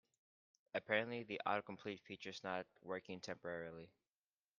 Apparently, the autocomplete feature is not working temporarily.